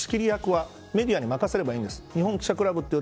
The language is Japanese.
仕切り役はメディアに任さればいいんです。